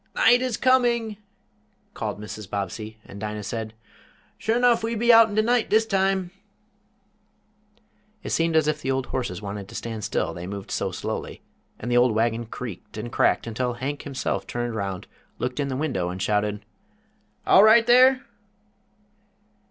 "Night is coming," called Mrs. Bobbsey, and Dinah said: "Suah 'nough we be out in de night dis time." It seemed as if the old horses wanted to stand still, they moved so slowly, and the old wagon creaked and cracked until Hank, himself, turned round, looked in the window, and shouted: "All right there?"